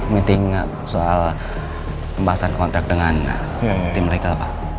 meeting soal pembahasan kontrak dengan tim legal pak